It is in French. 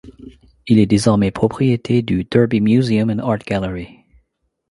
Il est désormais propriété du Derby Museum and Art Gallery.